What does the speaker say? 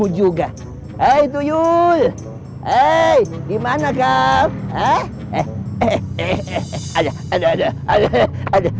jadi itu yang paling eren